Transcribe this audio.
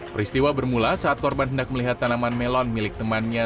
peristiwa bermula saat korban hendak melihat tanaman melon milik temannya